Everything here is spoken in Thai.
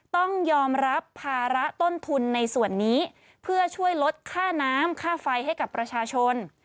ต้องยอมรับภาระต้นทุนในส่วนนี้เพื่อช่วยลดค่าน้ำค่าไฟให้กับประชาชน